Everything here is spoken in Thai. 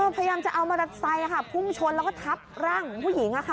พยายามจะเอามารัดไซค์ภูมิชนแล้วก็ทับร่างของผู้หญิง